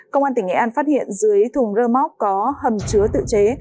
công an tỉnh nghệ an phát hiện dưới thùng rơ móc có hầm chứa tự chế